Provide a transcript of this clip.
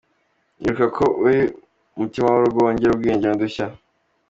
Ibuka ko uri mutima w’urugo wongere ubwenge n’udushya.